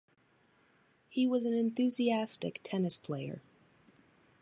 He was an enthusiastic tennis player.